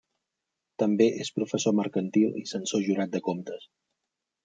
També és Professor Mercantil i Censor Jurat de Comptes.